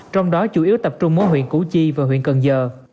trong đó chủ yếu tập trung ở huyện củ chi và huyện cần giờ